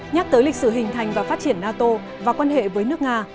nhắc tới lịch sử hình thành và phát triển nato và quan hệ với nước nga